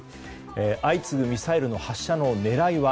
相次ぐミサイルの発射の狙いは？